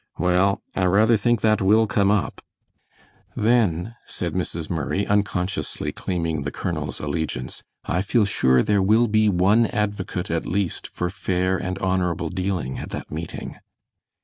"Well, I rather think that will come up." "Then," said Mrs. Murray, unconsciously claiming the colonel's allegiance, "I feel sure there will be one advocate at least for fair and honorable dealing at that meeting."